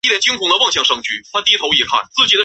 圣马塞昂缪拉人口变化图示